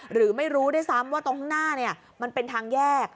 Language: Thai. หรือไม่รู้ด้วยซ้ำว่าตรงข้างหน้ามันเป็นทางแยก